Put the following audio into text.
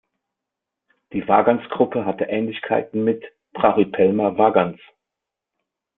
Die Vagans-Gruppe hat Ähnlichkeiten mit "Brachypelma vagans".